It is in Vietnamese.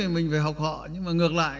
mình phải học họ nhưng mà ngược lại